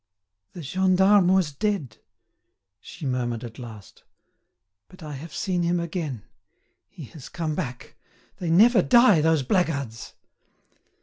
"The gendarme was dead," she murmured at last, "but I have seen him again; he has come back. They never die, those blackguards!"